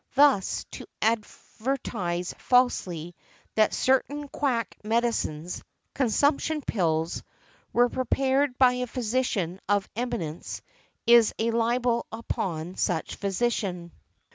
Thus, to advertise falsely that certain quack medicines, "consumption pills," were prepared by a physician of eminence, is a libel upon such physician .